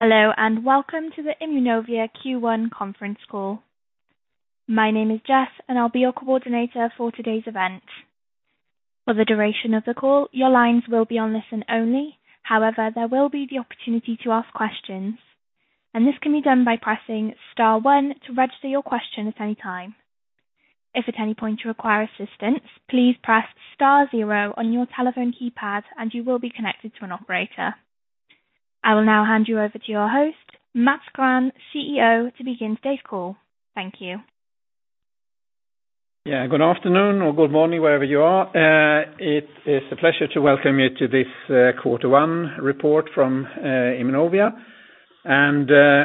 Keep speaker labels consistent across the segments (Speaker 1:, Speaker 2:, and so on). Speaker 1: Hello, and welcome to the Immunovia Q1 conference call. My name is Jess, and I'll be your coordinator for today's event. For the duration of the call, your lines will be on listen only. However, there will be the opportunity to ask questions, and this can be done by pressing star one to register your question at any time. If at any point you require assistance, please press star zero on your telephone keypad, and you will be connected to an operator. I will now hand you over to your host, Mats Grahn, CEO, to begin today's call. Thank you.
Speaker 2: Yeah. Good afternoon or good morning, wherever you are. It is a pleasure to welcome you to this quarter one report from Immunovia.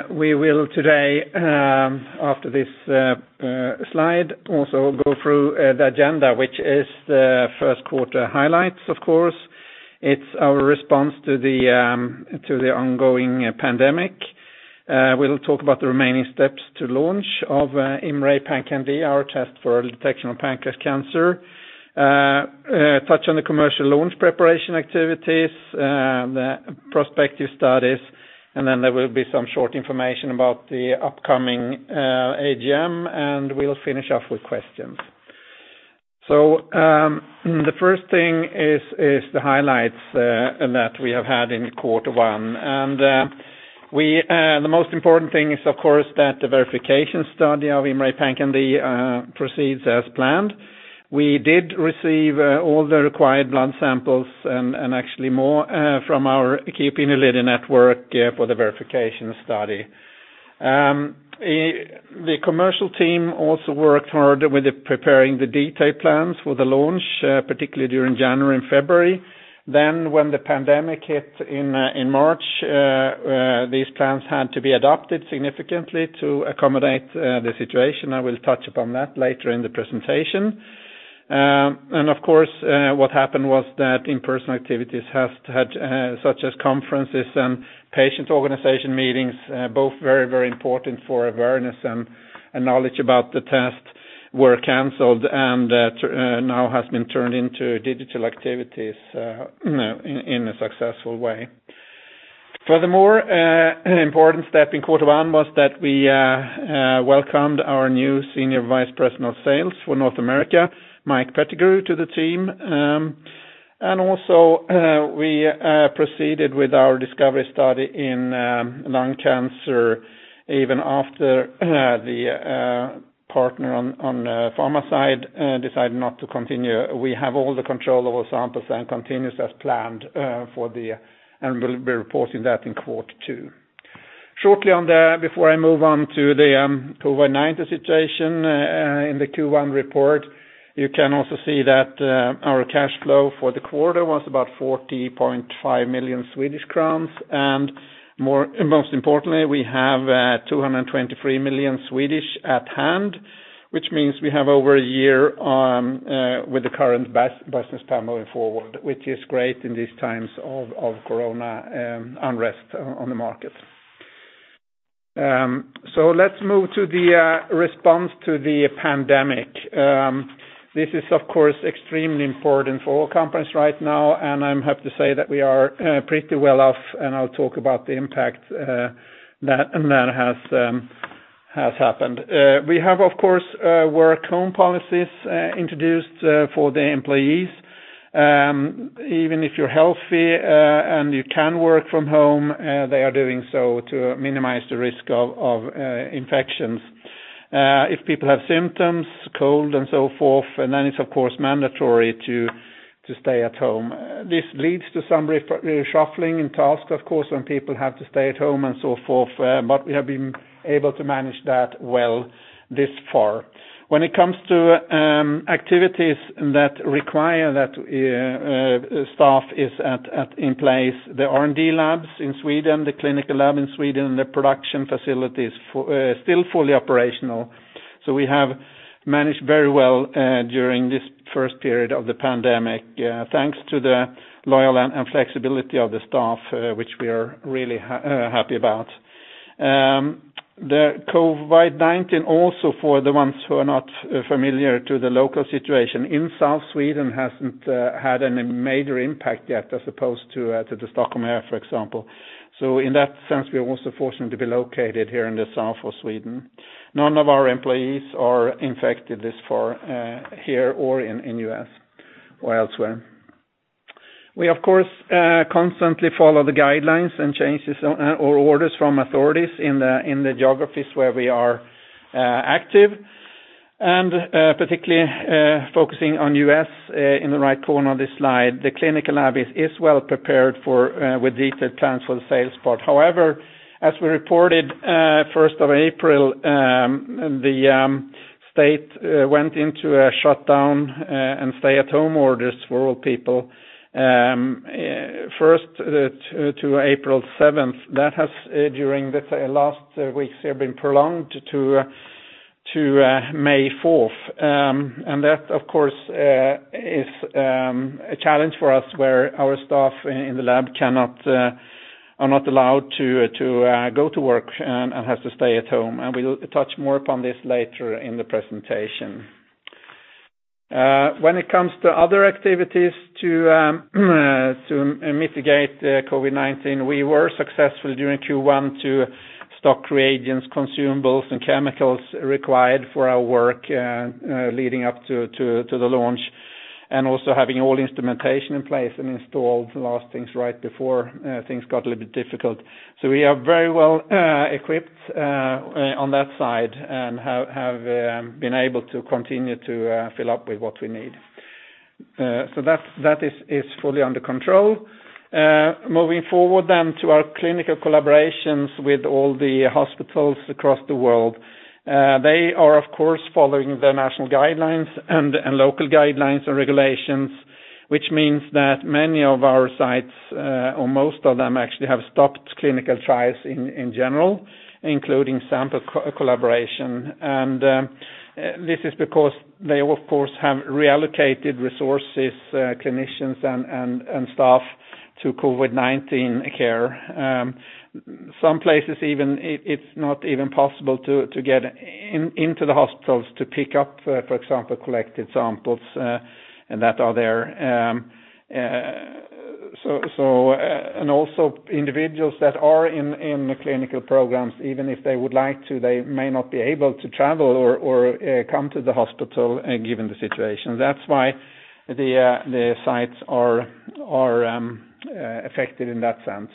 Speaker 2: We will today, after this slide, also go through the agenda, which is the first quarter highlights, of course. It's our response to the ongoing pandemic. We'll talk about the remaining steps to launch of IMMray PanCan-d, our test for early detection of pancreas cancer. Touch on the commercial launch preparation activities, the prospective studies. There will be some short information about the upcoming AGM, and we'll finish off with questions. The first thing is the highlights that we have had in quarter one. The most important thing is, of course, that the verification study of IMMray PanCan-d proceeds as planned. We did receive all the required blood samples and actually more from our network for the verification study. The commercial team also worked hard with preparing the detailed plans for the launch, particularly during January and February. When the pandemic hit in March, these plans had to be adapted significantly to accommodate the situation. I will touch upon that later in the presentation. Of course, what happened was that in-person activities such as conferences and patient organization meetings, both very, very important for awareness and knowledge about the test, were canceled and now has been turned into digital activities in a successful way. Furthermore, an important step in quarter one was that we welcomed our new Senior Vice President of Sales for North America, Mike Pettigrew, to the team. Also we proceeded with our discovery study in lung cancer, even after the partner on pharma side decided not to continue. We have all the control over samples and continues as planned, and we'll be reporting that in quarter two. Shortly on there, before I move on to the COVID-19 situation in the Q1 report, you can also see that our cash flow for the quarter was about 40.5 million Swedish crowns. Most importantly, we have 223 million at hand, which means we have over a year with the current business plan moving forward, which is great in these times of corona unrest on the market. Let's move to the response to the pandemic. This is, of course, extremely important for all companies right now, and I'm happy to say that we are pretty well off, and I'll talk about the impact that has happened. We have, of course, work-from-home policies introduced for the employees. Even if you're healthy and you can work from home, they are doing so to minimize the risk of infections. If people have symptoms, cold and so forth, then it's of course mandatory to stay at home. This leads to some reshuffling in tasks, of course, when people have to stay at home and so forth, but we have been able to manage that well this far. When it comes to activities that require that staff is in place, the R&D labs in Sweden, the clinical lab in Sweden, and the production facilities still fully operational. We have managed very well during this first period of the pandemic thanks to the loyal and flexibility of the staff, which we are really happy about. The COVID-19 also, for the ones who are not familiar to the local situation, in South Sweden hasn't had any major impact yet, as opposed to the Stockholm area, for example. In that sense, we are also fortunate to be located here in the South of Sweden. None of our employees are infected this far here or in U.S. or elsewhere. We, of course, constantly follow the guidelines and changes or orders from authorities in the geographies where we are active. Particularly focusing on U.S. in the right corner of this slide, the clinical lab is well prepared with detailed plans for the sales part. However, as we reported 1st of April, the state went into a shutdown and stay-at-home orders for all people. 1st to April 7th, that has during the last weeks have been prolonged to May 4th. That, of course, is a challenge for us where our staff in the lab are not allowed to go to work and has to stay at home. We'll touch more upon this later in the presentation. When it comes to other activities to mitigate COVID-19, we were successful during Q1 to stock reagents, consumables, and chemicals required for our work leading up to the launch, and also having all instrumentation in place and installed the last things right before things got a little bit difficult. We are very well-equipped on that side and have been able to continue to fill up with what we need. That is fully under control. Moving forward then to our clinical collaborations with all the hospitals across the world. They are, of course, following the national guidelines and local guidelines or regulations, which means that many of our sites, or most of them actually, have stopped clinical trials in general, including sample collaboration. This is because they, of course, have reallocated resources, clinicians and staff to COVID-19 care. Some places, it's not even possible to get into the hospitals to pick up, for example, collected samples that are there. Also individuals that are in the clinical programs, even if they would like to, they may not be able to travel or come to the hospital given the situation. That's why the sites are affected in that sense.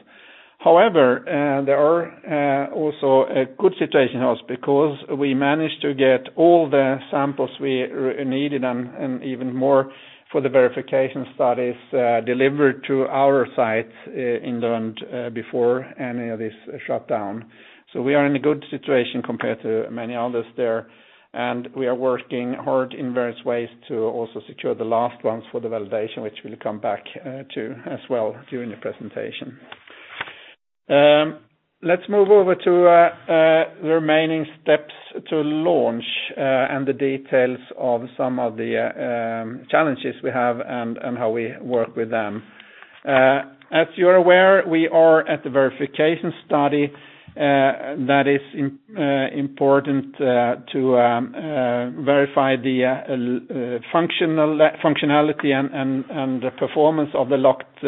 Speaker 2: However, there are also a good situation for us because we managed to get all the samples we needed and even more for the verification studies delivered to our sites in Lund before any of this shutdown. We are in a good situation compared to many others there, and we are working hard in various ways to also secure the last ones for the validation, which we'll come back to as well during the presentation. Let's move over to the remaining steps to launch and the details of some of the challenges we have and how we work with them. As you're aware, we are at the verification study. That is important to verify the functionality and the performance of the locked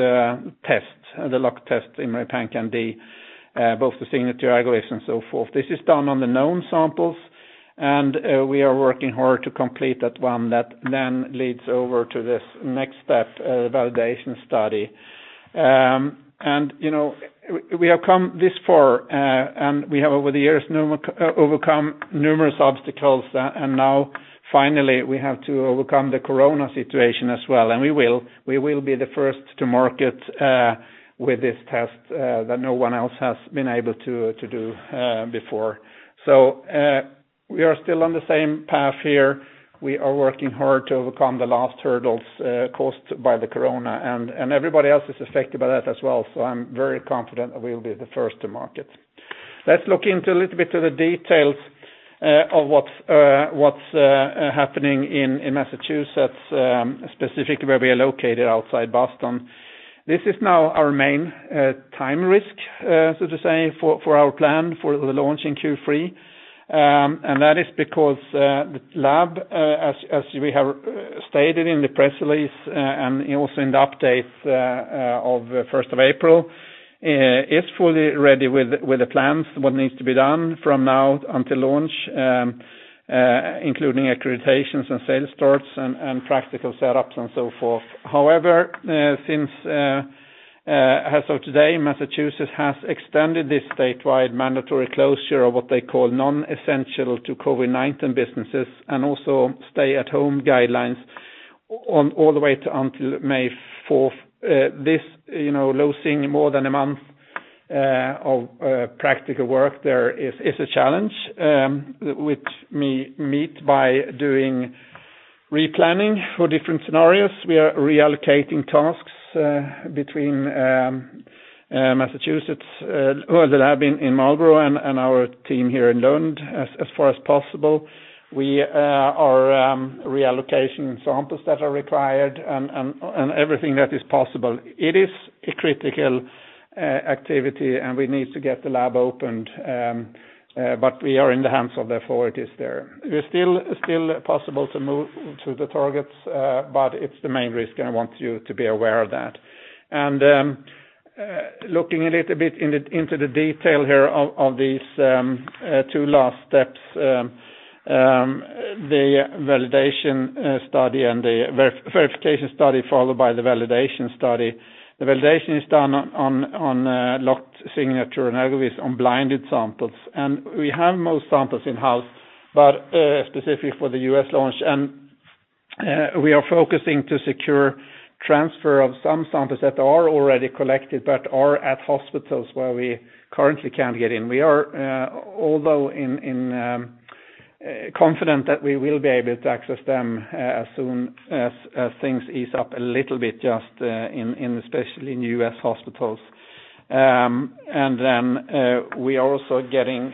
Speaker 2: test, IMMray PanCan-d, both the signature algorithm and so forth. This is done on the known samples, and we are working hard to complete that one. That leads over to this next step, the validation study. We have come this far, and we have over the years overcome numerous obstacles, now finally, we have to overcome the corona situation as well. We will. We will be the first to market with this test that no one else has been able to do before. We are still on the same path here. We are working hard to overcome the last hurdles caused by the corona. Everybody else is affected by that as well. I'm very confident that we'll be the first to market. Let's look into a little bit to the details of what's happening in Massachusetts, specifically where we are located outside Boston. This is now our main time risk, so to say, for our plan for the launch in Q3. That is because the lab, as we have stated in the press release and also in the update of the 1st of April, is fully ready with the plans, what needs to be done from now until launch, including accreditations and sales starts and practical setups and so forth. However, since as of today, Massachusetts has extended this statewide mandatory closure of what they call non-essential to COVID-19 businesses and also stay at home guidelines all the way until May 4th. Losing more than a month of practical work there is a challenge, which we meet by doing replanning for different scenarios. We are reallocating tasks between Massachusetts, the lab in Marlborough, and our team here in Lund as far as possible. We are reallocating samples that are required and everything that is possible. It is a critical activity and we need to get the lab opened, but we are in the hands of the authorities there. It's still possible to move to the targets, but it's the main risk. I want you to be aware of that. Looking a little bit into the detail here of these two last steps, the verification study followed by the validation study. The validation is done on locked signature analysis on blinded samples. We have most samples in-house, but specifically for the U.S. launch. We are focusing to secure transfer of some samples that are already collected but are at hospitals where we currently can't get in. We are although confident that we will be able to access them as soon as things ease up a little bit, just especially in U.S. hospitals. We are also getting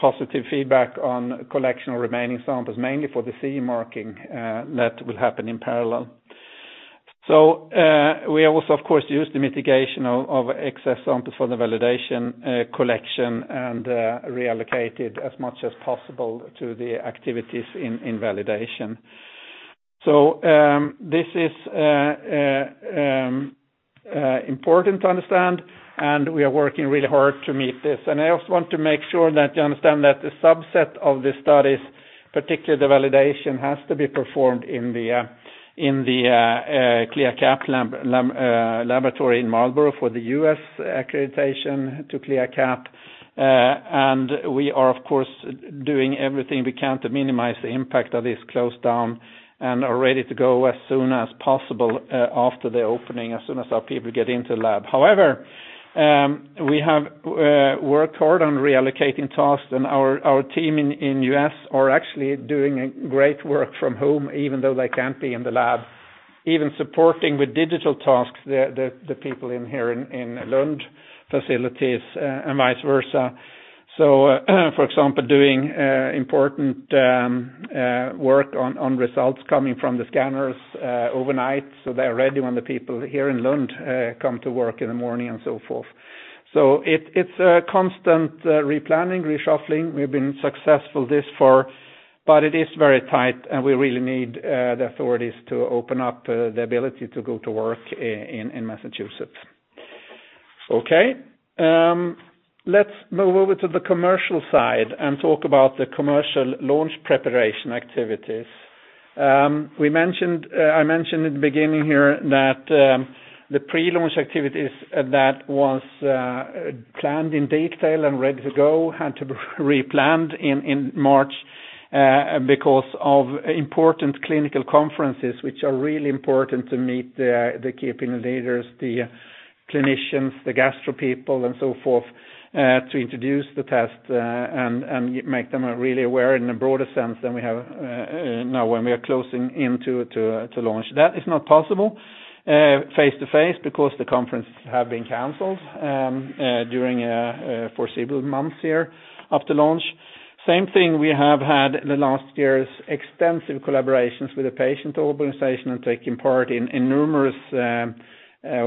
Speaker 2: positive feedback on collection of remaining samples, mainly for the CE marking that will happen in parallel. We also, of course, use the mitigation of excess samples for the validation collection and reallocate it as much as possible to the activities in validation. This is important to understand, and we are working really hard to meet this. I also want to make sure that you understand that the subset of the studies, particularly the validation, has to be performed in the CLIA/CAP laboratory in Marlborough for the U.S. accreditation to CLIA/CAP. We are, of course, doing everything we can to minimize the impact of this close down and are ready to go as soon as possible after the opening, as soon as our people get into the lab. However, we have worked hard on reallocating tasks, and our team in the U.S. are actually doing great work from home, even though they can't be in the lab, even supporting with digital tasks the people in here in Lund facilities and vice versa. For example, doing important work on results coming from the scanners overnight, so they're ready when the people here in Lund come to work in the morning and so forth. It's a constant replanning, reshuffling. We've been successful this far, but it is very tight, and we really need the authorities to open up the ability to go to work in Massachusetts. Okay. Let's move over to the commercial side and talk about the commercial launch preparation activities. I mentioned in the beginning here that the pre-launch activities that was planned in detail and ready to go had to be replanned in March because of important clinical conferences, which are really important to meet the key opinion leaders, the clinicians, the gastro people, and so forth, to introduce the test, and make them really aware in a broader sense than we have now when we are closing in to launch. That is not possible face-to-face because the conferences have been canceled during foreseeable months here after launch. Same thing we have had in the last years, extensive collaborations with the patient organization and taking part in numerous,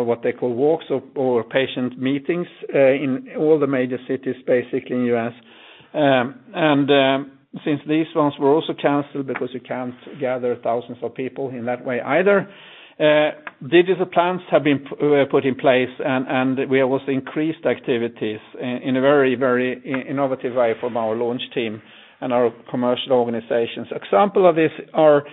Speaker 2: what they call walks or patient meetings, in all the major cities, basically in the U.S. Since these ones were also canceled because you can't gather thousands of people in that way either, digital plans have been put in place, and we also increased activities in a very innovative way from our launch team and our commercial organizations. Example of this are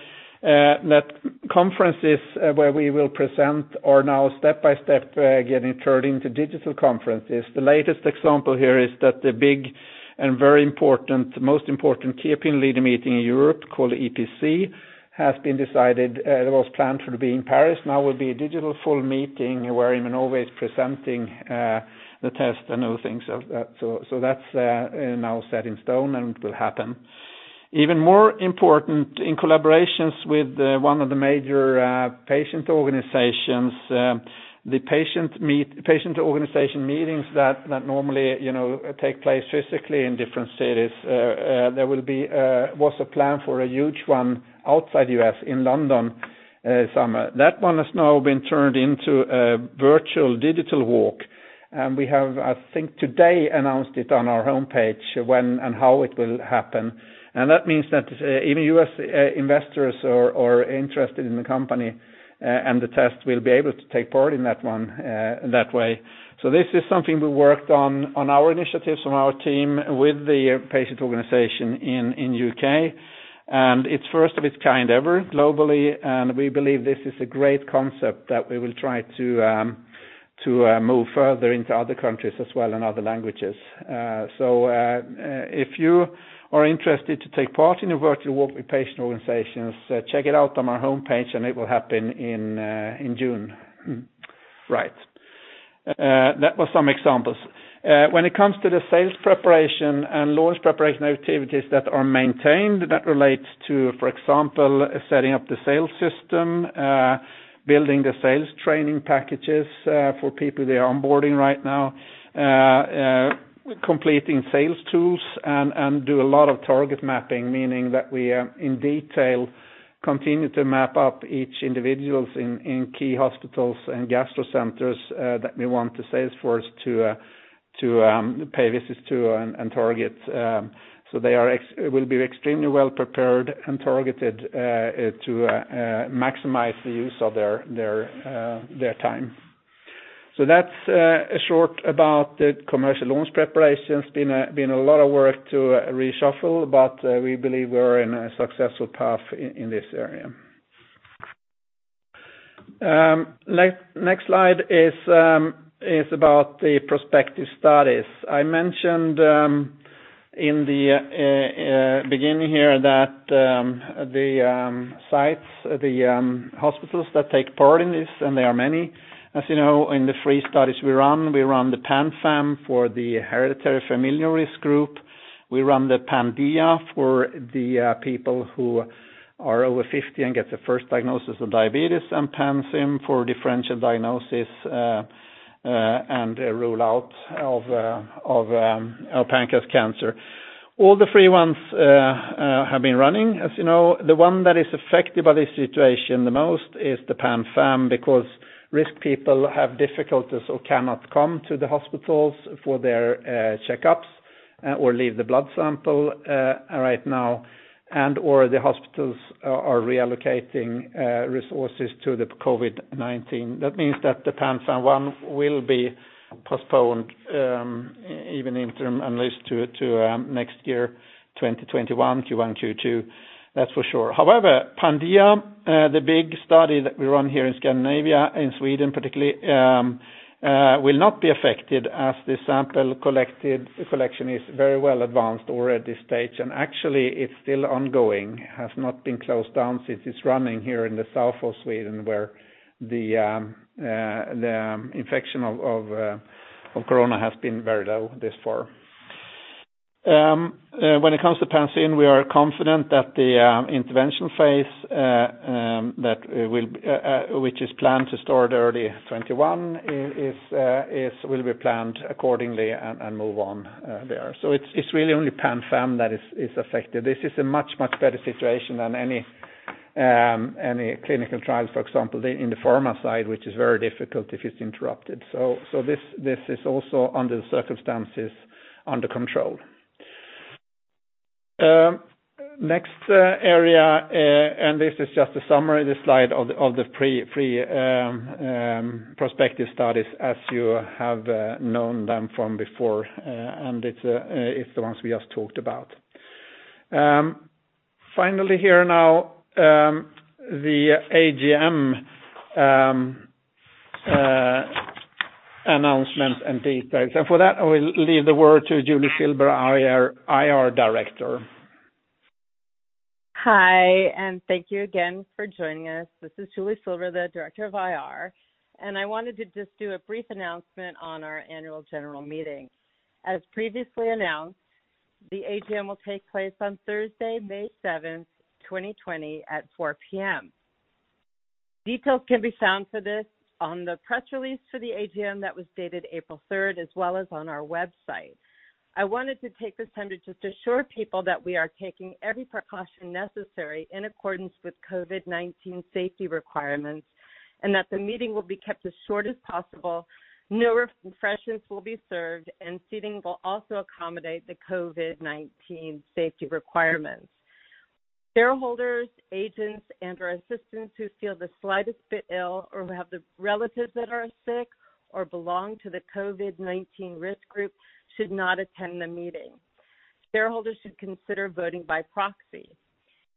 Speaker 2: that conferences where we will present are now step by step getting turned into digital conferences. The latest example here is that the big and very important, most important key opinion leader meeting in Europe, called EPC, it was planned to be in Paris, now will be a digital full meeting where Immunovia is presenting the test and other things. That's now set in stone and will happen. Even more important, in collaborations with one of the major patient organizations, the patient organization meetings that normally take place physically in different cities. There was a plan for a huge one outside the U.S. in London this summer. That one has now been turned into a virtual digital walk, and we have, I think today, announced it on our homepage, when and how it will happen. That means that even U.S. investors are interested in the company, and the test will be able to take part in that one that way. This is something we worked on our initiatives from our team with the patient organization in U.K. It's first of its kind ever globally, and we believe this is a great concept that we will try to move further into other countries as well and other languages. If you are interested to take part in a virtual walk with patient organizations, check it out on our homepage, and it will happen in June. Right. That was some examples. When it comes to the sales preparation and launch preparation activities that are maintained, that relates to, for example, setting up the sales system, building the sales training packages for people they are onboarding right now, completing sales tools, and do a lot of target mapping, meaning that we, in detail, continue to map up each individual in key hospitals and gastro centers that we want the salesforce to pay visits to and target. They will be extremely well prepared and targeted to maximize the use of their time. That's short about the commercial launch preparations. Been a lot of work to reshuffle, but we believe we're in a successful path in this area. Next slide is about the prospective studies. I mentioned in the beginning here that the sites, the hospitals that take part in this, and there are many, as you know, in the three studies we run. We run the PanFAM for the hereditary familiar risk group. We run the PanDIA-1 for the people who are over 50 and get the first diagnosis of diabetes, and PanSYM for differential diagnosis and a rule out of pancreas cancer. All the three ones have been running. As you know, the one that is affected by this situation the most is the PanFAM, because risk people have difficulties or cannot come to the hospitals for their checkups or leave the blood sample right now, and/or the hospitals are reallocating resources to the COVID-19. That means that the PanFAM 1 will be postponed even interim, at least to next year, 2021, Q1, Q2. That's for sure. PanDIA-1, the big study that we run here in Scandinavia, in Sweden particularly will not be affected as the sample collection is very well advanced already stage, and actually it's still ongoing, has not been closed down since it's running here in the south of Sweden, where the infection of COVID-19 has been very low thus far. When it comes to PanSYM-1, we are confident that the intervention phase which is planned to start early 2021 will be planned accordingly and move on there. It's really only PanFAM that is affected. This is a much, much better situation than any clinical trials, for example, in the pharma side, which is very difficult if it's interrupted. This is also under circumstances, under control. Next area, this is just a summary, the slide of the pre-prospective studies as you have known them from before. It is the ones we just talked about. Finally, here now the AGM announcement and details. For that, I will leave the word to Julie Silver, our IR Director.
Speaker 3: Hi, thank you again for joining us. This is Julie Silver, the Director of IR. I wanted to just do a brief announcement on our annual general meeting. As previously announced, the AGM will take place on Thursday, May 7th, 2020 at 4:00 P.M. Details can be found for this on the press release for the AGM that was dated April 3rd, as well as on our website. I wanted to take this time to just assure people that we are taking every precaution necessary in accordance with COVID-19 safety requirements. The meeting will be kept as short as possible. No refreshments will be served. Seating will also accommodate the COVID-19 safety requirements. Shareholders, agents, and/or assistants who feel the slightest bit ill or who have the relatives that are sick or belong to the COVID-19 risk group should not attend the meeting. Shareholders should consider voting by proxy.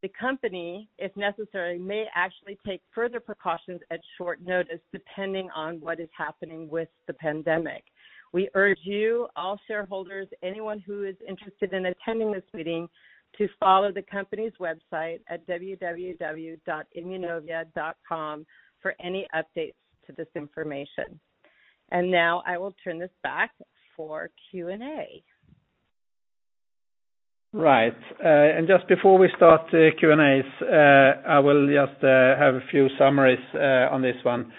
Speaker 3: The company, if necessary, may actually take further precautions at short notice, depending on what is happening with the pandemic. We urge you, all shareholders, anyone who is interested in attending this meeting, to follow the company's website at www.immunovia.com for any updates to this information. Now I will turn this back for Q&A.
Speaker 2: Right. Just before we start the Q&As, I will just have a few summaries on this one.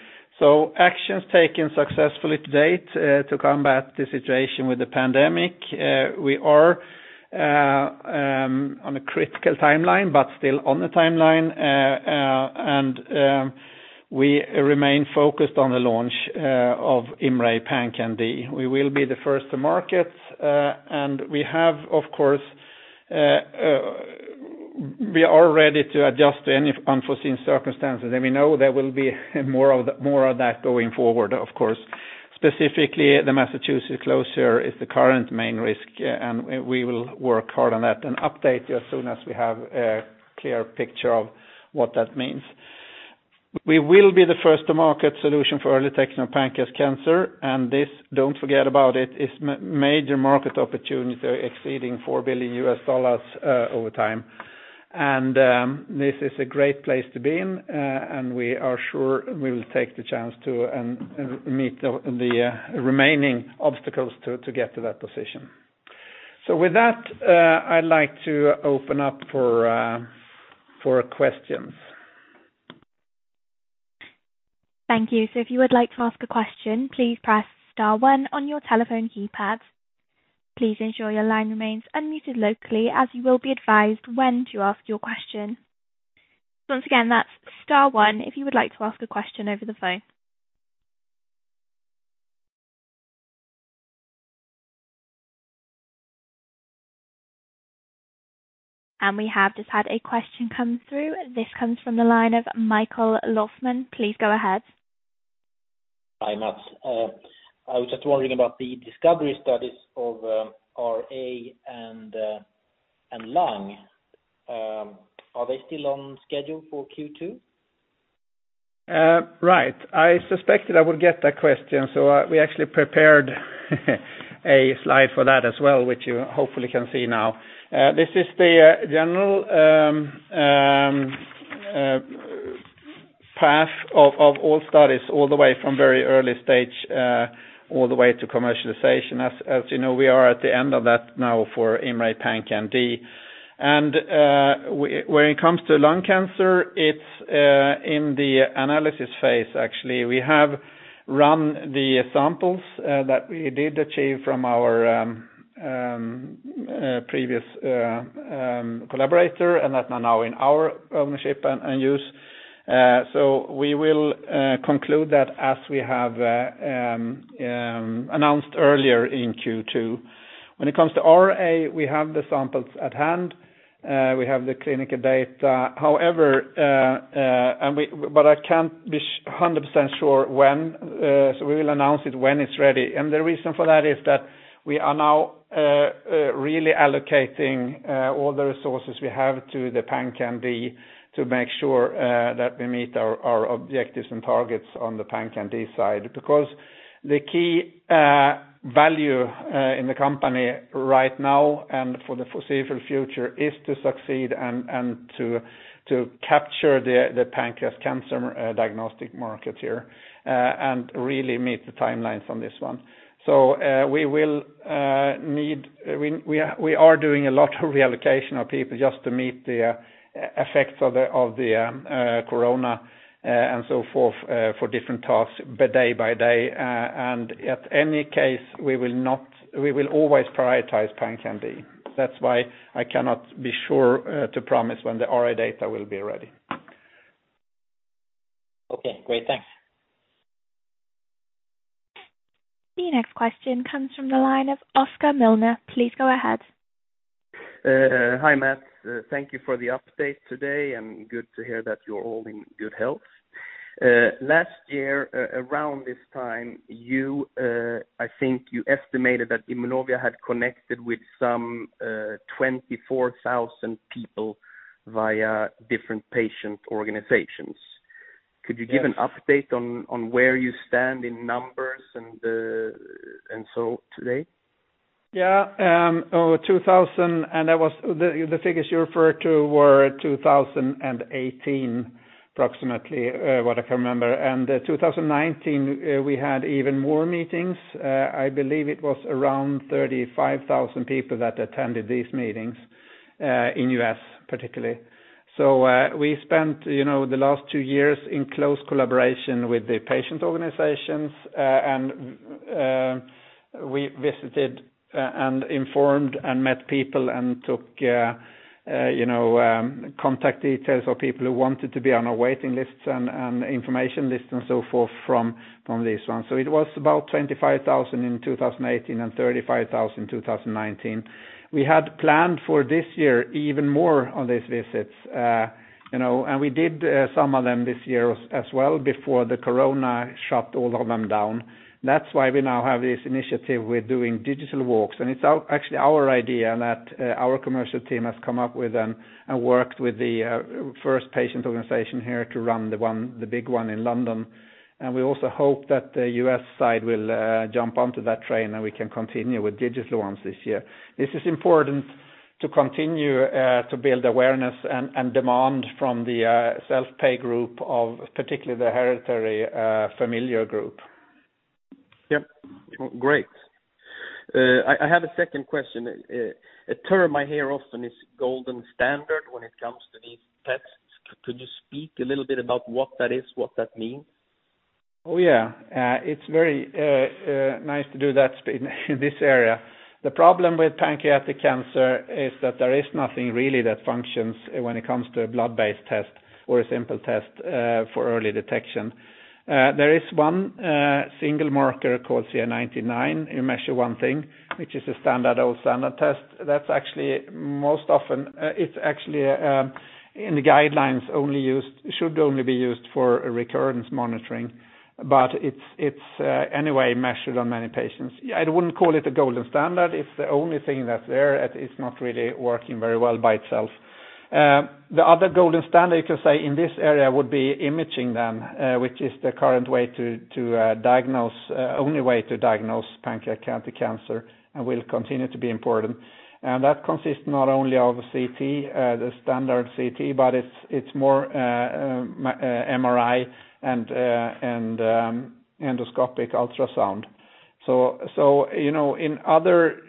Speaker 2: Actions taken successfully to date to combat the situation with the pandemic. We are on a critical timeline, but still on the timeline. We remain focused on the launch of IMMray PanCan-d. We will be the first to market. We are ready to adjust to any unforeseen circumstances. We know there will be more of that going forward, of course. Specifically, the Massachusetts closure is the current main risk. We will work hard on that and update you as soon as we have a clear picture of what that means. We will be the first to market solution for early detection of pancreatic cancer. This, don't forget about it, is major market opportunity exceeding $4 billion over time. This is a great place to be in, and we are sure we will take the chance to meet the remaining obstacles to get to that position. With that, I'd like to open up for questions.
Speaker 1: Thank you. If you would like to ask a question, please press star one on your telephone keypad. Please ensure your line remains unmuted locally as you will be advised when to ask your question. Once again, that's star one if you would like to ask a question over the phone. We have just had a question come through. This comes from the line of Michael Löfman. Please go ahead.
Speaker 4: Hi, Mats. I was just wondering about the discovery studies of RA and Lung. Are they still on schedule for Q2?
Speaker 2: Right. I suspected I would get that question. We actually prepared a slide for that as well, which you hopefully can see now. This is the general path of all studies all the way from very early stage all the way to commercialization. As you know, we are at the end of that now for IMMray PanCan-d. When it comes to lung cancer, it's in the analysis phase, actually. We have run the samples that we did achieve from our previous collaborator, and that's now in our ownership and use. We will conclude that as we have announced earlier in Q2. When it comes to RA, we have the samples at hand, we have the clinical data. I can't be 100% sure when, so we will announce it when it's ready. The reason for that is that we are now really allocating all the resources we have to the PanCan-d to make sure that we meet our objectives and targets on the PanCan-d side, because the key value in the company right now and for the foreseeable future is to succeed and to capture the pancreas cancer diagnostic market here, and really meet the timelines on this one. We are doing a lot of reallocation of people just to meet the effects of the corona, and so forth, for different tasks day by day. At any case, we will always prioritize PanCan-d. That's why I cannot be sure to promise when the RA data will be ready.
Speaker 4: Okay, great. Thanks.
Speaker 1: The next question comes from the line of Oscar Milner. Please go ahead.
Speaker 5: Hi, Mats. Thank you for the update today, and good to hear that you're all in good health. Last year, around this time, I think you estimated that Immunovia had connected with some 24,000 people via different patient organizations.
Speaker 2: Yes.
Speaker 5: Could you give an update on where you stand in numbers and so today?
Speaker 2: Yeah. The figures you referred to were 2018, approximately, what I can remember. 2019, we had even more meetings. I believe it was around 35,000 people that attended these meetings, in U.S. particularly. We spent the last two years in close collaboration with the patient organizations, and we visited and informed and met people and took contact details of people who wanted to be on our waiting lists and information lists and so forth from these ones. It was about 25,000 in 2018 and 35,000 in 2019. We had planned for this year even more on these visits. We did some of them this year as well before the corona shut all of them down. That's why we now have this initiative with doing digital walks. It's actually our idea that our commercial team has come up with and worked with the first patient organization here to run the big one in London. We also hope that the U.S. side will jump onto that train and we can continue with digital ones this year. This is important to continue to build awareness and demand from the self-pay group of particularly the hereditary familial group.
Speaker 5: Yep. Great. I have a second question. A term I hear often is golden standard when it comes to these tests. Could you speak a little bit about what that is, what that means?
Speaker 2: Oh, yeah. It's very nice to do that in this area. The problem with pancreatic cancer is that there is nothing really that functions when it comes to a blood-based test or a simple test for early detection. There is one single marker called CA19-9. You measure one thing, which is a standard test. That's actually most often in the guidelines should only be used for recurrence monitoring. It's anyway measured on many patients. I wouldn't call it a golden standard. It's the only thing that's there. It's not really working very well by itself. The other golden standard you can say in this area would be imaging then, which is the current way to diagnose, only way to diagnose pancreatic cancer and will continue to be important. That consists not only of CT, the standard CT, but it's more MRI and endoscopic ultrasound. In other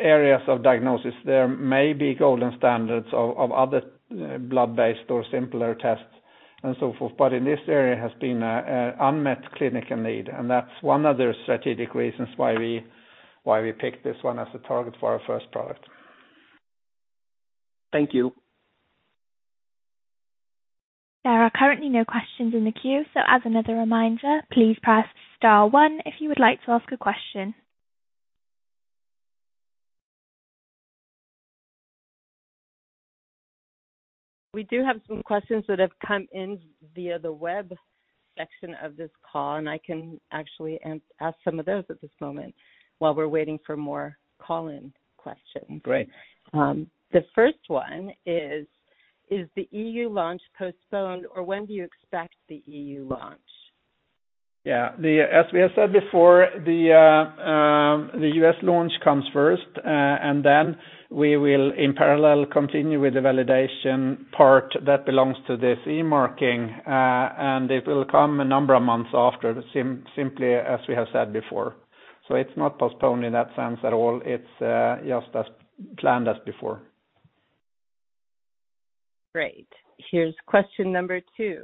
Speaker 2: areas of diagnosis, there may be golden standards of other blood-based or simpler tests and so forth. In this area has been unmet clinical need, and that's one of the strategic reasons why we picked this one as a target for our first product.
Speaker 5: Thank you.
Speaker 1: There are currently no questions in the queue. As another reminder, please press star one if you would like to ask a question.
Speaker 3: We do have some questions that have come in via the web section of this call. I can actually ask some of those at this moment while we're waiting for more call-in questions.
Speaker 2: Great.
Speaker 3: The first one is the EU launch postponed? When do you expect the EU launch?
Speaker 2: Yeah. As we have said before, the U.S. launch comes first. Then we will in parallel continue with the validation part that belongs to the CE marking. It will come a number of months after, simply as we have said before. It's not postponed in that sense at all. It's just as planned as before.
Speaker 3: Great. Here's question number 2.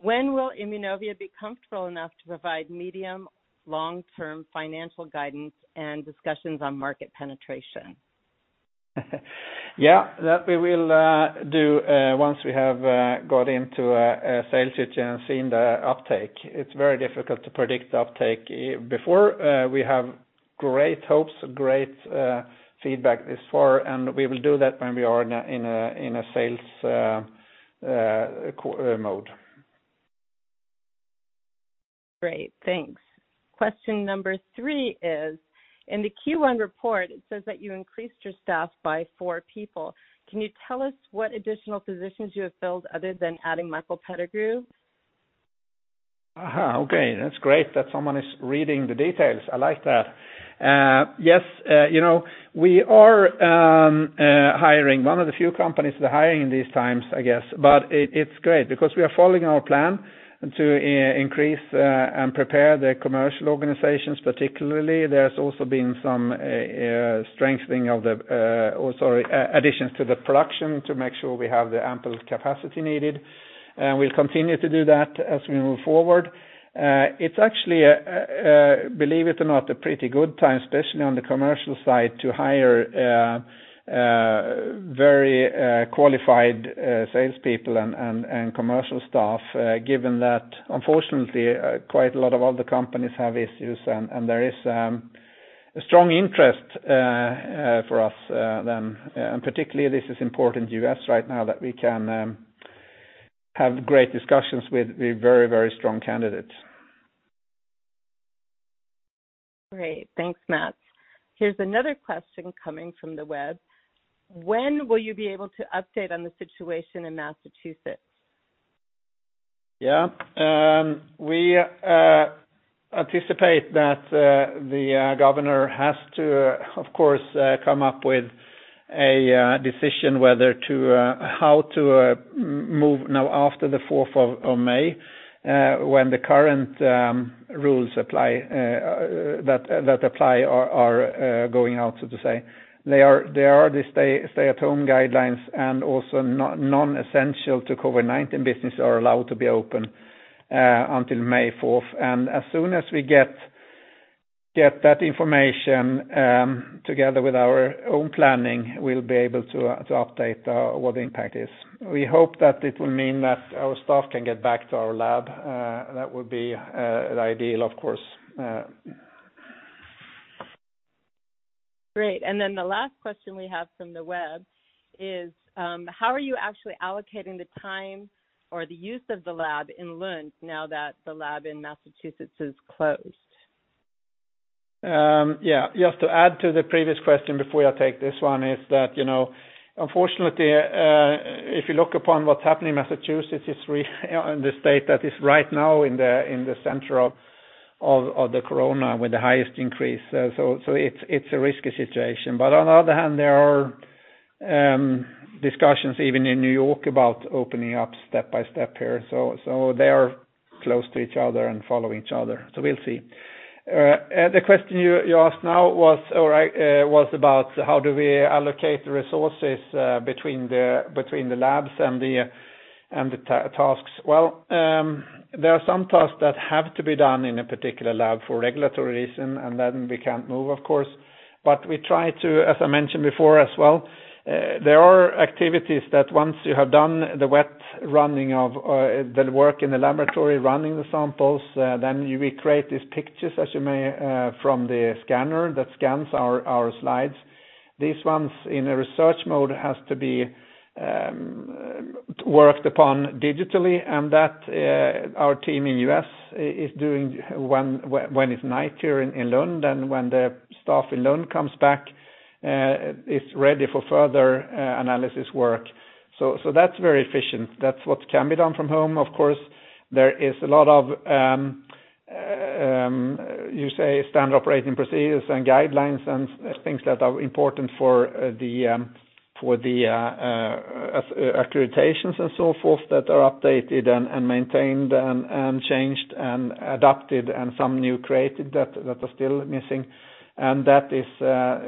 Speaker 3: When will Immunovia be comfortable enough to provide medium, long-term financial guidance and discussions on market penetration?
Speaker 2: Yeah. That we will do once we have got into a sales situation and seen the uptake. It is very difficult to predict the uptake before. We have great hopes, great feedback this far, and we will do that when we are in a sales mode.
Speaker 3: Great. Thanks. Question number 3 is, in the Q1 report, it says that you increased your staff by four people. Can you tell us what additional positions you have filled other than adding Michael Pettigrew?
Speaker 2: Aha. Okay. That is great that someone is reading the details. I like that. Yes. We are hiring. One of the few companies that are hiring in these times, I guess, but it is great because we are following our plan to increase and prepare the commercial organizations particularly. There has also been some additions to the production to make sure we have the ample capacity needed. We will continue to do that as we move forward. It is actually, believe it or not, a pretty good time, especially on the commercial side, to hire very qualified salespeople and commercial staff, given that unfortunately, quite a lot of other companies have issues, and there is a strong interest for us then. Particularly this is important in U.S. right now that we can have great discussions with very strong candidates.
Speaker 3: Great. Thanks, Mats. Here is another question coming from the web. When will you be able to update on the situation in Massachusetts?
Speaker 2: Yeah. We anticipate that the governor has to, of course, come up with a decision how to move now after the 4th of May, when the current rules that apply are going out, so to say. There are the stay-at-home guidelines, and also non-essential to COVID-19 business are allowed to be open until May 4th. As soon as we get that information, together with our own planning, we'll be able to update what the impact is. We hope that it will mean that our staff can get back to our lab. That would be ideal, of course.
Speaker 3: Great. Then the last question we have from the web is, how are you actually allocating the time or the use of the lab in Lund now that the lab in Massachusetts is closed?
Speaker 2: Yeah. Just to add to the previous question before I take this one, is that unfortunately, if you look upon what's happening in Massachusetts, it's really the state that is right now in the center of the COVID-19 with the highest increase. On the other hand, there are discussions even in New York about opening up step by step here. They are close to each other and follow each other. We'll see. The question you asked now was about how do we allocate the resources between the labs and the tasks. Well, there are some tasks that have to be done in a particular lab for regulatory reason, and then we can't move, of course. We try to, as I mentioned before as well, there are activities that once you have done the wet running of the work in the laboratory, running the samples, then you recreate these pictures, as you may, from the scanner that scans our slides. These ones in a research mode has to be worked upon digitally, and that our team in U.S. is doing when it's night here in Lund, and when the staff in Lund comes back, it's ready for further analysis work. That's very efficient. That's what can be done from home, of course. There is a lot of, you say, standard operating procedures and guidelines and things that are important for the accreditations and so forth that are updated and maintained and changed and adapted and some new created that are still missing. That is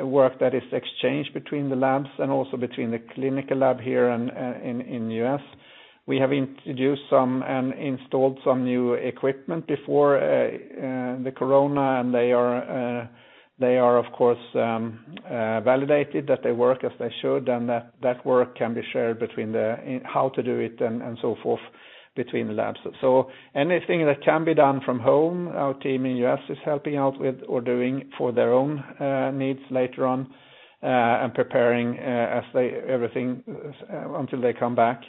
Speaker 2: work that is exchanged between the labs and also between the U.S. clinical lab here. We have introduced some and installed some new equipment before the corona, and they are, of course, validated that they work as they should, and that work can be shared between how to do it and so forth between the labs. Anything that can be done from home, our team in U.S. is helping out with or doing for their own needs later on, and preparing everything until they come back.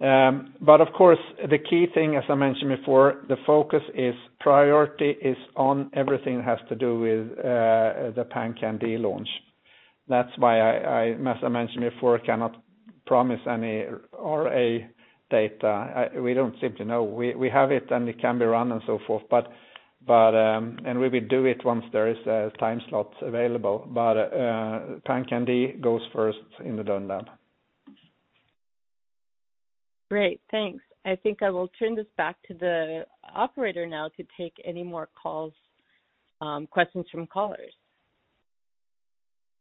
Speaker 2: Of course, the key thing, as I mentioned before, the focus is priority is on everything has to do with the PanCan-d launch. That's why, as I mentioned before, I cannot promise any RA data. We don't seem to know. We have it and it can be run and so forth. We will do it once there is a time slot available. PanCan-d goes first in the Lund lab.
Speaker 3: Great. Thanks. I think I will turn this back to the operator now to take any more calls, questions from callers.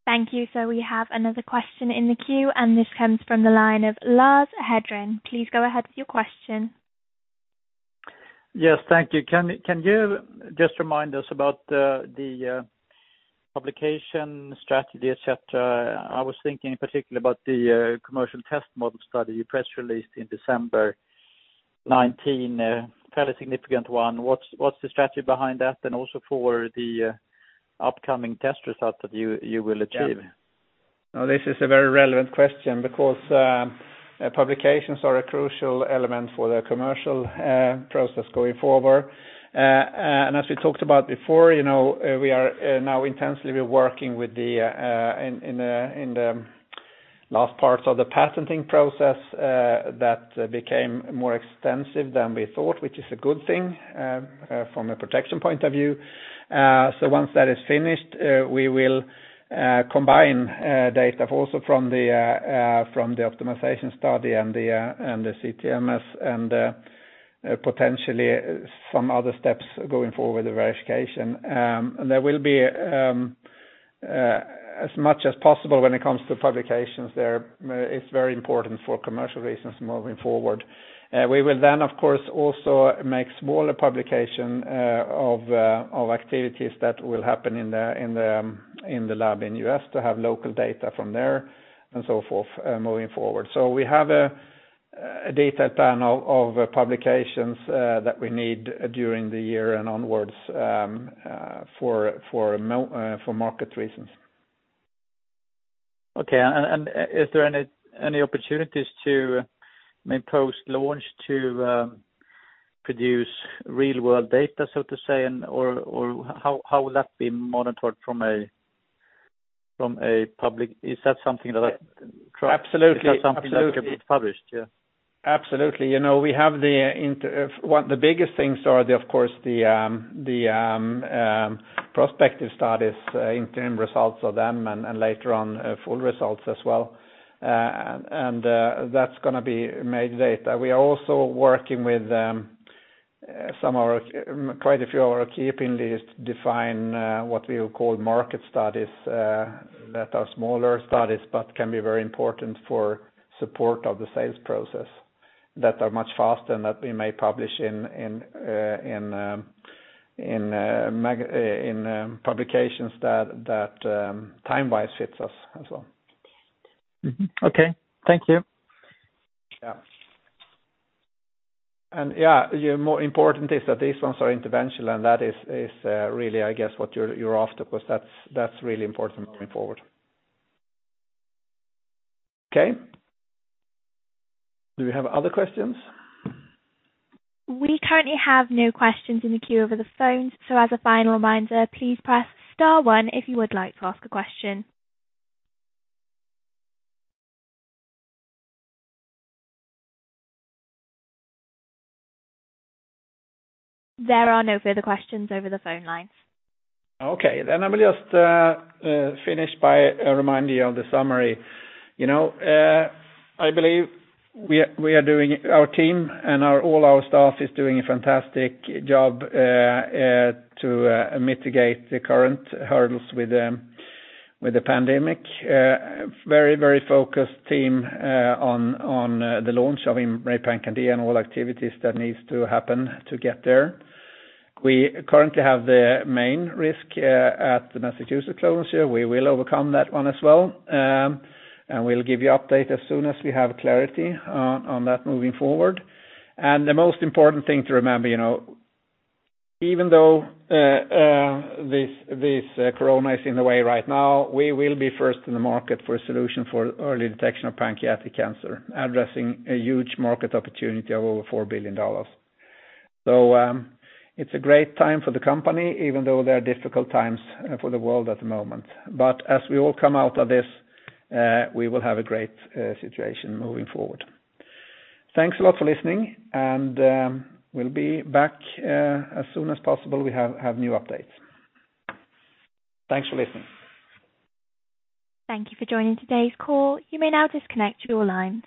Speaker 1: Thank you. We have another question in the queue, and this comes from the line of Lars Hedren. Please go ahead with your question.
Speaker 5: Yes. Thank you. Can you just remind us about the publication strategy, et cetera? I was thinking in particular about the commercial test model study you press-released in December 2019, a fairly significant one. What's the strategy behind that and also for the upcoming test results that you will achieve?
Speaker 2: No, this is a very relevant question because publications are a crucial element for the commercial process going forward. As we talked about before, we are now intensely working in the last parts of the patenting process that became more extensive than we thought, which is a good thing from a protection point of view. Once that is finished, we will combine data also from the optimization study and the CTMS and potentially some other steps going forward with the verification. There will be as much as possible when it comes to publications there. It's very important for commercial reasons moving forward. We will then, of course, also make smaller publication of activities that will happen in the lab in the U.S. to have local data from there and so forth moving forward. We have a data plan of publications that we need during the year and onwards for market reasons.
Speaker 5: Okay. Is there any opportunities to maybe post-launch to produce real-world data, so to say, or how will that be monitored from a public?
Speaker 2: Absolutely
Speaker 5: could be published, yeah.
Speaker 2: Absolutely. The biggest things are, of course, the prospective studies, interim results of them, and later on, full results as well. That's going to be made later. We are also working with quite a few of our key opinions to define what we would call market studies, that are smaller studies but can be very important for support of the sales process, that are much faster and that we may publish in publications that time-wise fits us as well.
Speaker 5: Okay. Thank you.
Speaker 2: Yeah. More important is that these ones are interventional, and that is really, I guess, what you're after, because that's really important moving forward. Okay. Do we have other questions?
Speaker 1: We currently have no questions in the queue over the phones. As a final reminder, please press star one if you would like to ask a question. There are no further questions over the phone lines.
Speaker 2: I'm going to just finish by reminding you of the summary. I believe our team and all our staff is doing a fantastic job to mitigate the current hurdles with the pandemic. Very focused team on the launch of PanCan-d and all activities that needs to happen to get there. We currently have the main risk at the Massachusetts closure. We will overcome that one as well, and we'll give you update as soon as we have clarity on that moving forward. The most important thing to remember, even though this COVID-19 is in the way right now, we will be first in the market for a solution for early detection of pancreatic cancer, addressing a huge market opportunity of over $4 billion. It's a great time for the company, even though there are difficult times for the world at the moment. As we all come out of this, we will have a great situation moving forward. Thanks a lot for listening, and we'll be back as soon as possible we have new updates. Thanks for listening.
Speaker 1: Thank you for joining today's call. You may now disconnect your lines